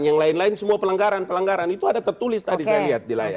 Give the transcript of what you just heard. yang lain lain semua pelanggaran pelanggaran itu ada tertulis tadi saya lihat di layar